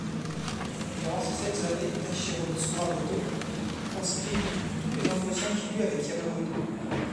Durant ces sept années, Tashiro Tsuramoto transcrivit tous les entretiens qu'il eut avec Yamamoto.